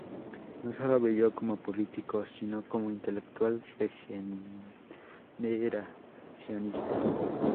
No sólo brilló como político, sino como intelectual regeneracionista.